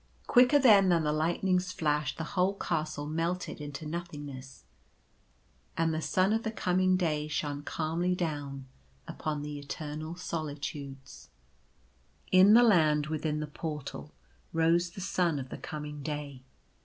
Quicker then than the lightning's flash the whole Castle melted into nothingness ; and the sun of the coming day shone calmly down upon the Eternal Solitudes. i S 8 What the Sun s In the Land within the Portal rose the sun of the coming day.